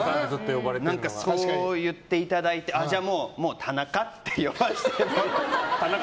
そう言っていただいてじゃあ、田中って呼ばしてもらおうと。